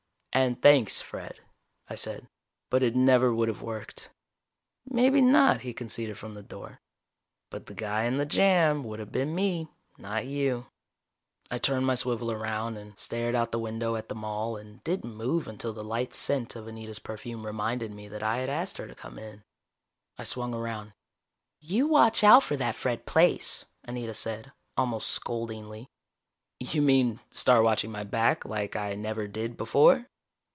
"And thanks, Fred," I said. "But it never would have worked." "Maybe not," he conceded from the door. "But the guy in the jam would have been me, not you." I turned my swivel around and stared out the window at the Mall and didn't move until the light scent of Anita's perfume reminded me that I had asked her to come in. I swung around. "You watch out for that Fred Plaice," Anita said, almost scoldingly. "You mean, start watching my back, like I never did before?